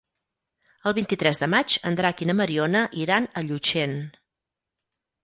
El vint-i-tres de maig en Drac i na Mariona iran a Llutxent.